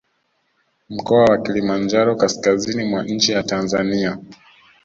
Mkoa wa Kilimanjaro kaskazini mwa nchi ya Tanzania